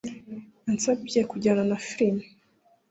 Yansabye kujyana na firime.